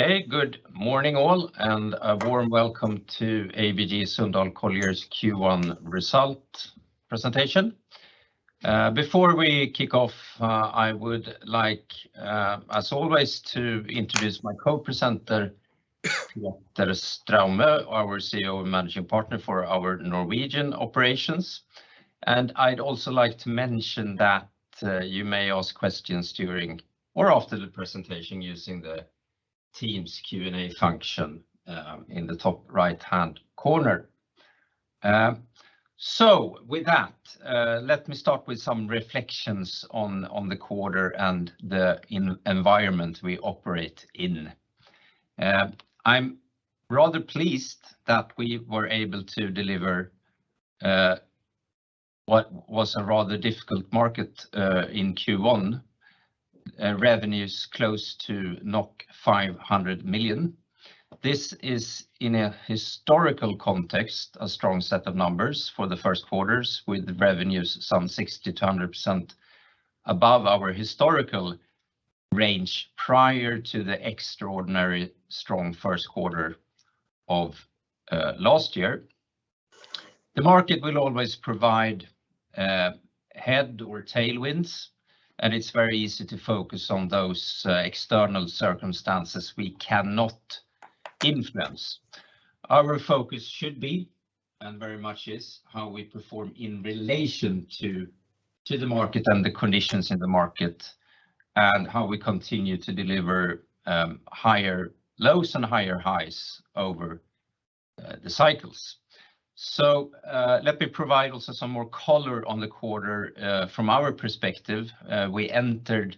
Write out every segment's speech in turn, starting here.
Okay, good morning all, and a warm welcome to ABG Sundal Collier's Q1 result presentation. Before we kick off, I would like, as always, to introduce my co-presenter, Peter Straume, our CEO and Managing Partner for our Norwegian operations. I'd also like to mention that you may ask questions during or after the presentation using the team's Q and A function in the top right-hand corner. With that, let me start with some reflections on the quarter and the environment we operate in. I'm rather pleased that we were able to deliver what was a rather difficult market in Q1. Revenues close to 500 million. This is, in a historical context, a strong set of numbers for the first quarters, with revenues some 60%-100% above our historical range prior to the extraordinary strong first quarter of last year. The market will always provide head or tailwinds, and it's very easy to focus on those external circumstances we cannot influence. Our focus should be, and very much is, how we perform in relation to the market and the conditions in the market and how we continue to deliver higher lows and higher highs over the cycles. Let me provide also some more color on the quarter from our perspective. We entered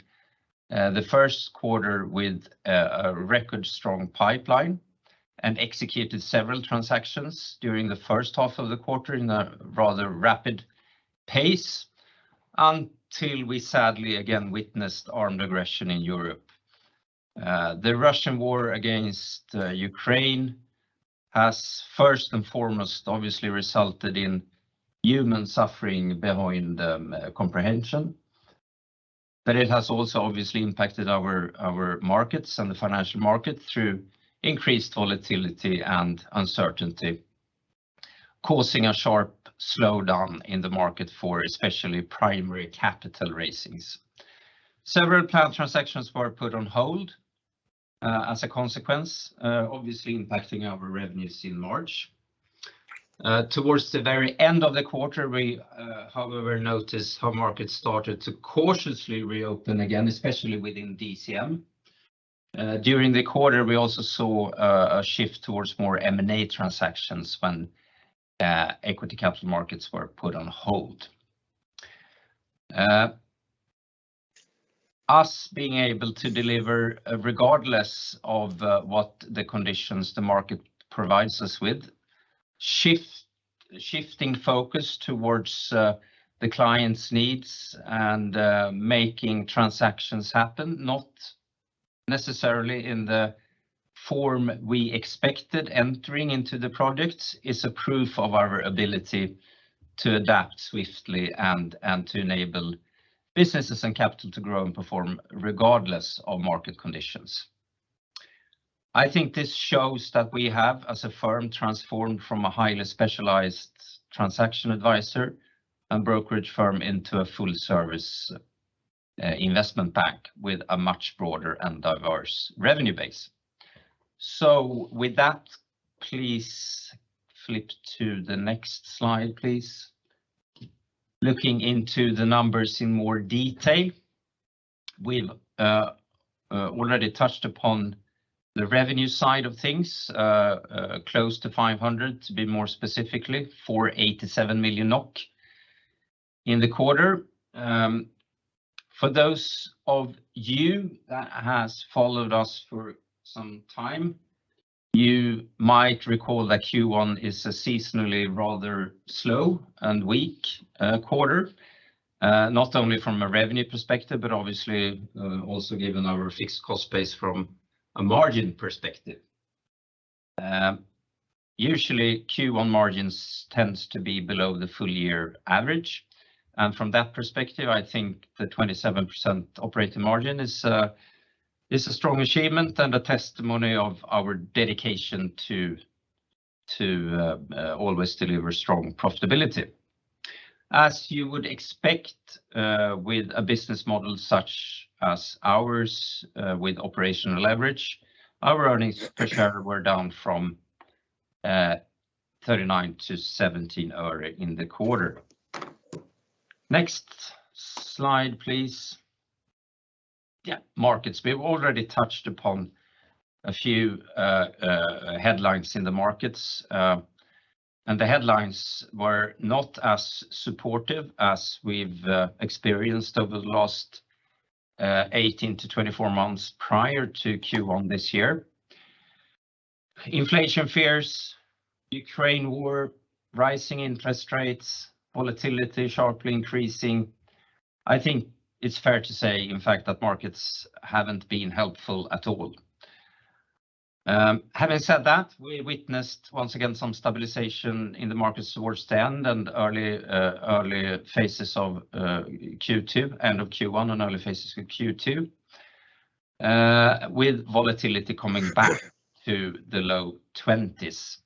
the first quarter with a record strong pipeline and executed several transactions during the first half of the quarter in a rather rapid pace until we sadly again witnessed armed aggression in Europe. The Russian war against Ukraine has first and foremost obviously resulted in human suffering beyond comprehension. It has also obviously impacted our markets and the financial market through increased volatility and uncertainty, causing a sharp slowdown in the market for especially primary capital raisings. Several planned transactions were put on hold as a consequence, obviously impacting our revenues in March. Towards the very end of the quarter, we however noticed how markets started to cautiously reopen again, especially within DCM. During the quarter, we also saw a shift towards more M&A transactions when equity capital markets were put on hold. Us being able to deliver regardless of what the conditions the market provides us with, shifting focus towards the client's needs and making transactions happen, not necessarily in the form we expected entering into the products, is a proof of our ability to adapt swiftly and to enable businesses and capital to grow and perform regardless of market conditions. I think this shows that we have, as a firm, transformed from a highly specialized transaction advisor and brokerage firm into a full service investment bank with a much broader and diverse revenue base. With that, please flip to the next slide, please. Looking into the numbers in more detail, we've already touched upon the revenue side of things. Close to 500 million, to be more specifically, 487 million NOK in the quarter. For those of you that has followed us for some time, you might recall that Q1 is a seasonally rather slow and weak quarter, not only from a revenue perspective, but obviously, also given our fixed cost base from a margin perspective. Usually Q1 margins tends to be below the full year average, and from that perspective, I think the 27% operating margin is a strong achievement and a testimony of our dedication to always deliver strong profitability. As you would expect, with a business model such as ours, with operational leverage, our earnings per share were down from 39 to 17 in the quarter. Next slide, please. Yeah, markets. We've already touched upon a few headlines in the markets, and the headlines were not as supportive as we've experienced over the last 18-24 months prior to Q1 this year. Inflation fears, Ukraine war, rising interest rates, volatility sharply increasing. I think it's fair to say, in fact, that markets haven't been helpful at all. Having said that, we witnessed once again some stabilization in the markets towards the end of Q1 and early phases of Q2, with volatility coming back to the low 20s.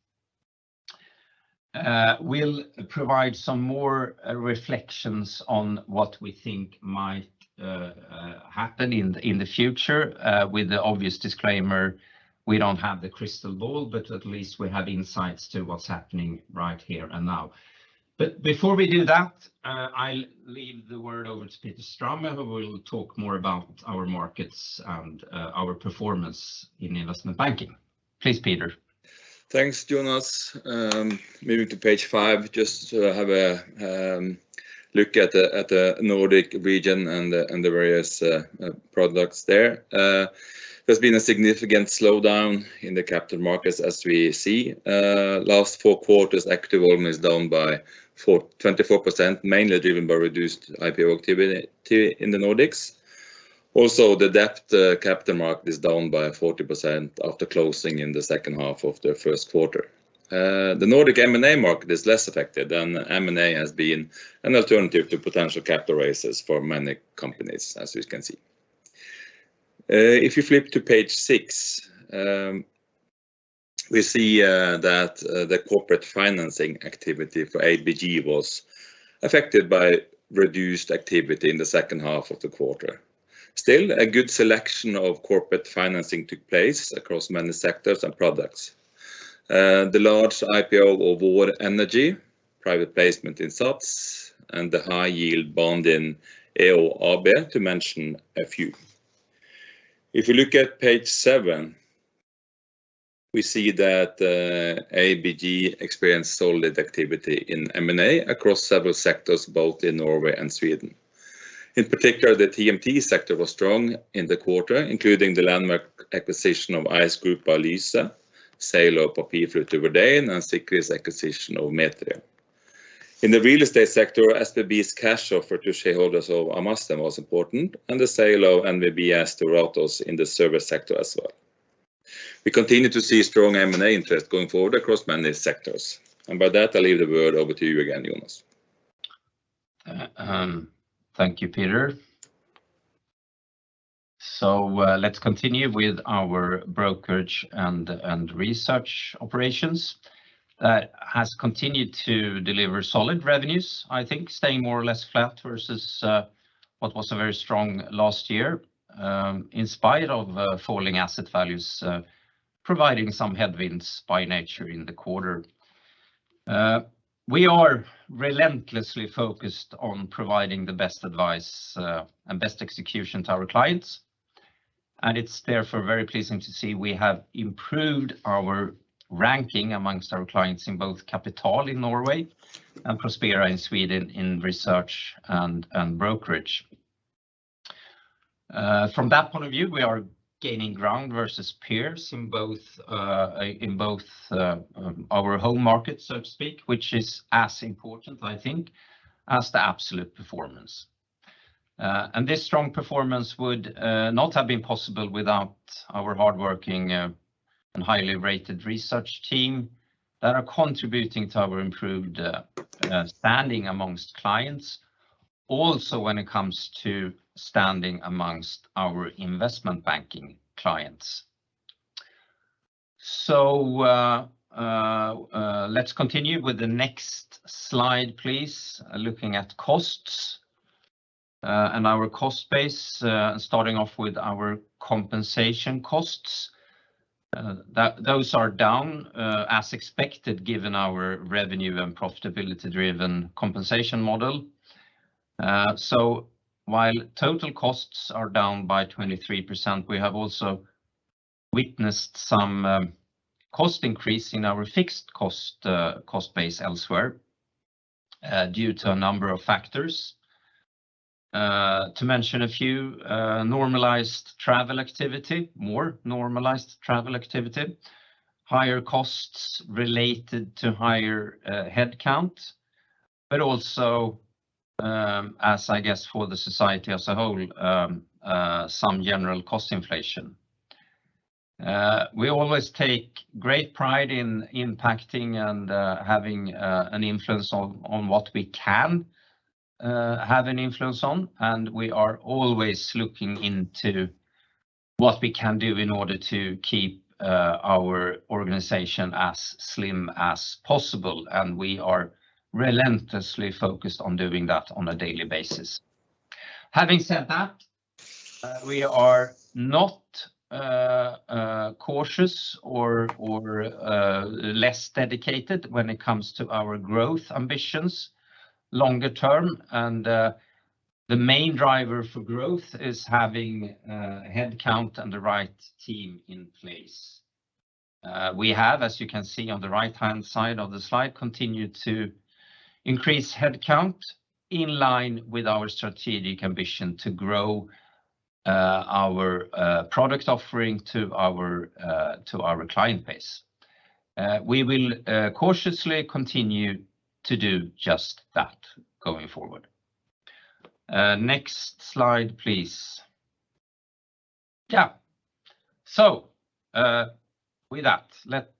We'll provide some more reflections on what we think might happen in the future, with the obvious disclaimer we don't have the crystal ball, but at least we have insights into what's happening right here and now. Before we do that, I'll leave the word over to Peter Straume, who will talk more about our markets and, our performance in investment banking. Please, Peter. Thanks, Jonas. Moving to page five, just to have a look at the Nordic region and the various products there. There's been a significant slowdown in the capital markets as we see in the last four quarters. Active volume is down by 24%, mainly driven by reduced IPO activity in the Nordics. Also, the debt capital market is down by 40% after closing in the second half of the first quarter. The Nordic M&A market is less affected, and M&A has been an alternative to potential capital raises for many companies, as you can see. If you flip to page six, we see that the corporate financing activity for ABG was affected by reduced activity in the second half of the quarter. Still, a good selection of corporate financing took place across many sectors and products. The large IPO of Vår Energi, private placement in SATS and the high yield bond in Ahlsell AB, to mention a few. If you look at page seven, we see that ABG experienced solid activity in M&A across several sectors, both in Norway and Sweden. In particular, the TMT sector was strong in the quarter, including the landmark acquisition of Ice Group by Lyse, sale of Papirfly to Verdane and Sikri's acquisition of Metria. In the real estate sector, SBB's cash offer to shareholders of Amasten was important, and the sale of NVBS to Ratos in the service sector as well. We continue to see strong M&A interest going forward across many sectors. By that, I'll leave the word over to you again, Jonas. Thank you, Peter. Let's continue with our brokerage and research operations. That has continued to deliver solid revenues, I think staying more or less flat versus what was a very strong last year in spite of falling asset values providing some headwinds by nature in the quarter. We are relentlessly focused on providing the best advice and best execution to our clients, and it's therefore very pleasing to see we have improved our ranking amongst our clients in both Kantar in Norway and Prospera in Sweden in research and brokerage. From that point of view, we are gaining ground versus peers in both our home markets, so to speak, which is as important, I think, as the absolute performance. This strong performance would not have been possible without our hardworking and highly rated research team that are contributing to our improved standing among clients, also when it comes to standing among our investment banking clients. Let's continue with the next slide, please. Looking at costs and our cost base, starting off with our compensation costs, those are down as expected, given our revenue and profitability driven compensation model. While total costs are down by 23%, we have also witnessed some cost increase in our fixed cost base elsewhere due to a number of factors. To mention a few, normalized travel activity, higher costs related to higher headcount, but also, as I guess for the society as a whole, some general cost inflation. We always take great pride in impacting and having an influence on what we can have an influence on. We are always looking into what we can do in order to keep our organization as slim as possible. We are relentlessly focused on doing that on a daily basis. Having said that, we are not cautious or less dedicated when it comes to our growth ambitions longer term. The main driver for growth is having headcount and the right team in place. We have, as you can see on the right-hand side of the slide, continued to increase headcount in line with our strategic ambition to grow our product offering to our client base. We will cautiously continue to do just that going forward. Next slide please. Yeah. With that, let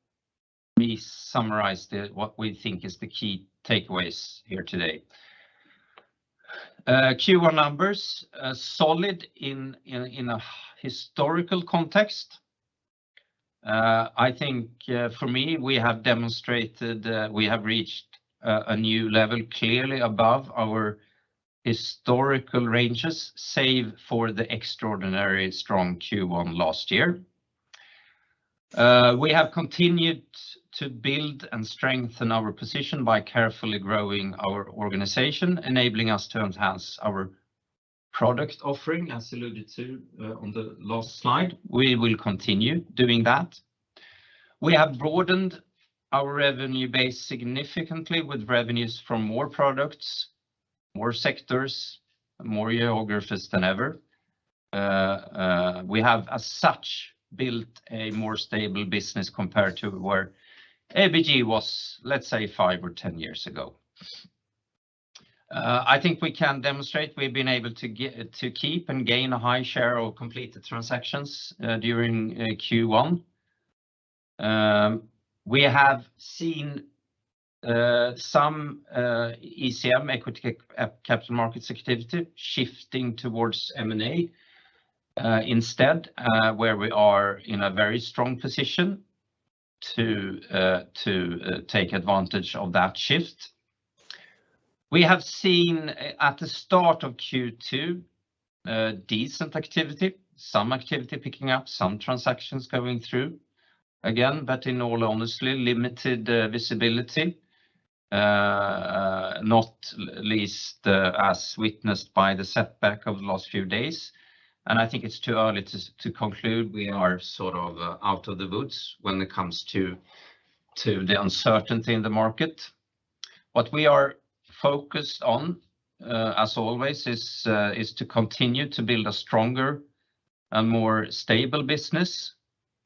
me summarize what we think is the key takeaways here today. Q1 numbers are solid in a historical context. I think, for me, we have demonstrated we have reached a new level clearly above our historical ranges, save for the extraordinary strong Q1 last year. We have continued to build and strengthen our position by carefully growing our organization, enabling us to enhance our product offering, as alluded to on the last slide. We will continue doing that. We have broadened our revenue base significantly with revenues from more products, more sectors, more geographies than ever. We have as such built a more stable business compared to where ABG was, let's say five or 10 years ago. I think we can demonstrate we've been able to keep and gain a high share of completed transactions during Q1. We have seen some ECM, equity capital markets activity shifting towards M&A instead, where we are in a very strong position to take advantage of that shift. We have seen at the start of Q2 decent activity, some activity picking up, some transactions going through again, but in all honesty, limited visibility, not least as witnessed by the setback of the last few days, and I think it's too early to conclude we are sort of out of the woods when it comes to the uncertainty in the market. What we are focused on as always is to continue to build a stronger and more stable business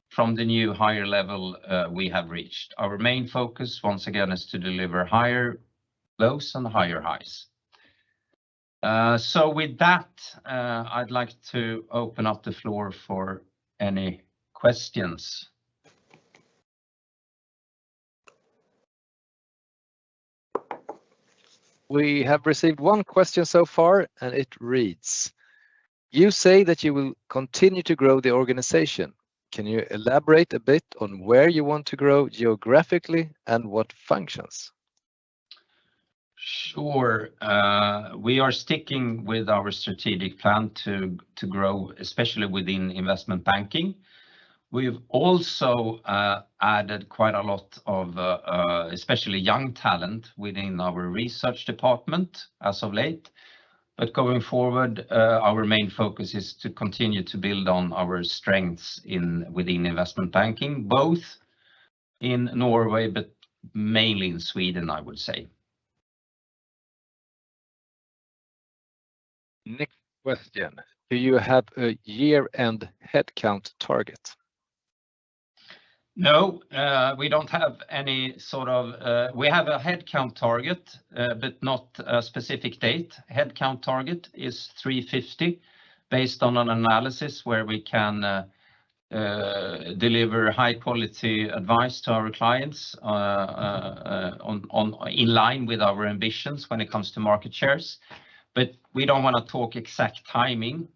from the new higher level we have reached. Our main focus, once again, is to deliver higher lows and higher highs. With that, I'd like to open up the floor for any questions. We have received one question so far and it reads, "You say that you will continue to grow the organization. Can you elaborate a bit on where you want to grow geographically and what functions? Sure. We are sticking with our strategic plan to grow, especially within investment banking. We've also added quite a lot of especially young talent within our research department as of late, but going forward, our main focus is to continue to build on our strengths within investment banking, both in Norway, but mainly in Sweden, I would say. Next question. Do you have a year-end headcount target? No, we don't have any sort of. We have a headcount target, but not a specific date. Headcount target is 350 based on an analysis where we can deliver high quality advice to our clients in line with our ambitions when it comes to market shares. We don't wanna talk exact timing.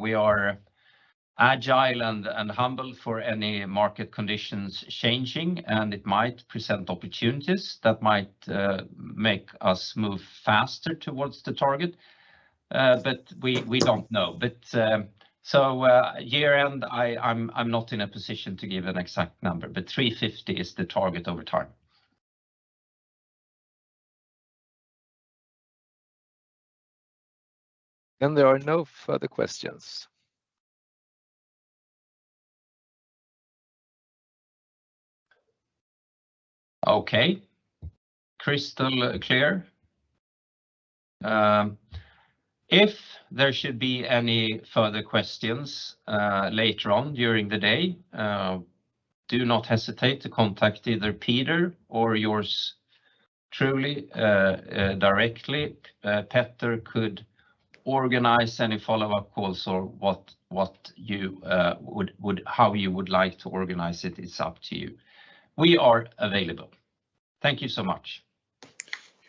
We are agile and humble for any market conditions changing, and it might present opportunities that might make us move faster towards the target. We don't know. Year-end I'm not in a position to give an exact number, but 350 is the target over time. There are no further questions. Okay. Crystal clear. If there should be any further questions later on during the day, do not hesitate to contact either Peter or yours truly directly. Peter could organize any follow-up calls or what you would, how you would like to organize it's up to you. We are available. Thank you so much.